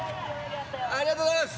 ありがとうございます。